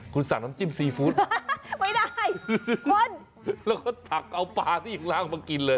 คุณสั่งน้ำจิ้มซีฟูตคุณแล้วก็ถักเอาปลาที่ยังล่างมากินเลย